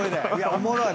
おもろい。